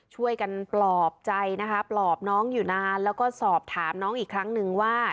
ปลอบใจนะคะปลอบน้องอยู่นานแล้วก็สอบถามน้องอีกครั้งนึงว่า